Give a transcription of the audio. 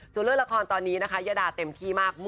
ส่วนเรื่องละครตอนนี้นะคะยาดาเต็มที่มาก